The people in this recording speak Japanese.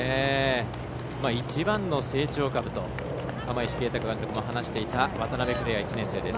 一番の成長株と釜石慶太監督も話していた渡邉来愛、１年生です。